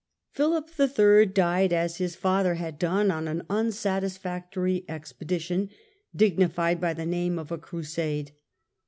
War with Philip III, died, as his father had done, on an unsatis factory expedition, dignified by the name of a crusade.